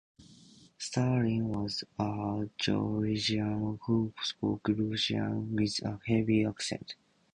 Stalin was a Georgian who spoke Russian with a heavy accent.